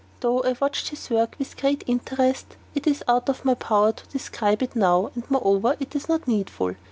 Though I watched his work with great interest, it is out of my power to describe it now, and, moreover, it is not needful.